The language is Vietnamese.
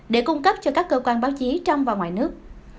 để cung cấp cho các cơ quan báo chí trong và ngoài nước